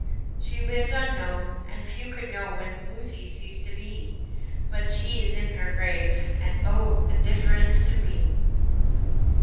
She lived unknown, and few could know When Lucy ceased to be; 10 But she is in her grave, and, oh, The difference to me!